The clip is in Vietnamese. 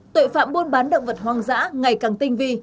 tội phạm buôn bán động vật hoang dã ngày càng tinh vi